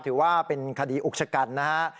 ถือว่าเป็นคดีอุกชะกันนะฮะ